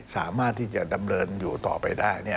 สามารถที่จะดำเนินอยู่ต่อไปได้